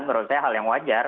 menurut saya hal yang wajar